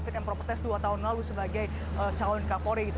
fit and proper test dua tahun lalu sebagai calon kapolri gitu